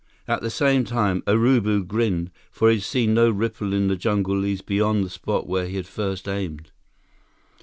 At the same time, Urubu grinned, for he had seen no ripple in the jungle leaves beyond the spot where he had first aimed.